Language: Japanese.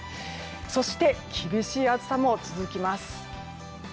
そして厳しい暑さも続きます。